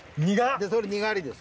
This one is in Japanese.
それにがりです。